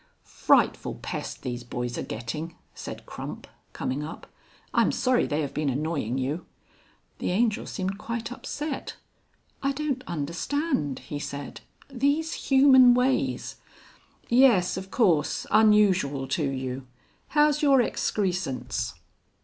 "Frightful pest these boys are getting!" said Crump, coming up. "I'm sorry they have been annoying you." The Angel seemed quite upset. "I don't understand," he said. "These Human ways...." "Yes, of course. Unusual to you. How's your excrescence?"